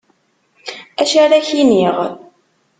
Acu ara ak-iniɣ.